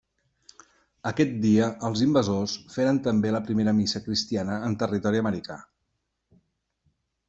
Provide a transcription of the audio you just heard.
Aquest dia els invasors feren també la primera missa cristiana en territori americà.